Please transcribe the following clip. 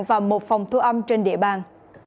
và một phòng thu âm trên địa bàn